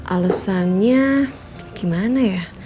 alasannya gimana ya